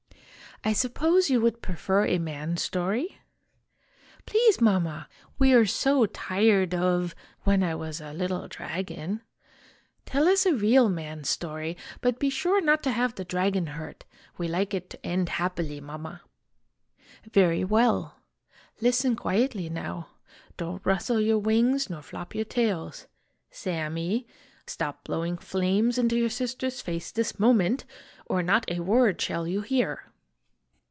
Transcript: " I suppose you would prefer a man story ?"" Please, Mama. We are so tired of ' When I was a little THE DRAGON S STORY 29 dragon.' Tell us a real man story ; but be sure not to have the dragon hurt. We like it to end happily, Mama." " Very well. Listen quietly, now. Don't rustle your wings nor flop your tails. Sammy ! stop blowing flames into your sister's face, this moment! or not a word shall you hear.